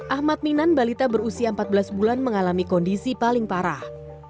ahmad minan balita berusia empat belas bulan mengalami kondisi paling parah